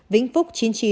vĩnh phúc chín mươi chín